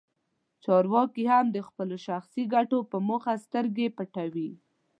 چارواکي هم د خپلو شخصي ګټو په موخه سترګې پټوي.